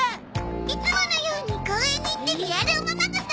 いつものように公園に行ってリアルおままごと！